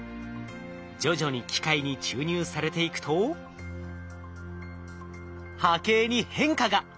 徐々に機械に注入されていくと波形に変化が！